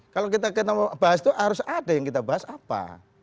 kalau kita mau bahas itu harus ada yang kita bahas apa